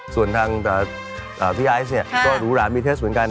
ส่วนทางพี่ไอซ์เนี่ยก็หรูหรามีเทสเหมือนกัน